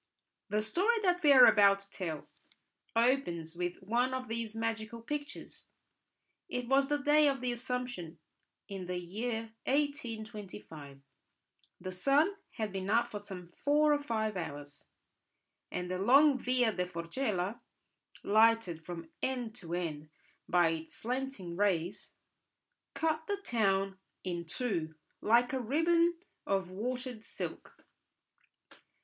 The story that we are about to tell opens with one of these magical pictures. It was the Day of the Assumption in the year 1825; the sun had been up some four or five hours, and the long Via da Forcella, lighted from end to end by its slanting rays, cut the town in two, like a ribbon of watered silk.